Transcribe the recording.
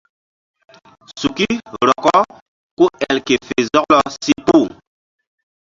Suki rɔkɔ ku el ke fe zɔklɔ si puh.